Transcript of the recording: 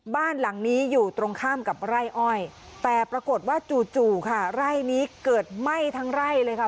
บ้านหลังนี้อยู่ตรงข้ามกับไร่อ้อยแต่ปรากฏว่าจู่จู่ค่ะไร่นี้เกิดไหม้ทั้งไร่เลยค่ะ